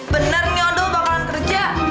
bener nih odol bakalan kerja